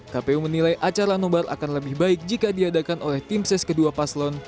kpu menilai acara nobar akan lebih baik jika diadakan oleh tim ses kedua paslon